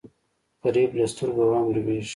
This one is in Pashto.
غریب له سترګو غم لوېږي